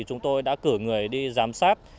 chúng tôi đã cử người đi giám sát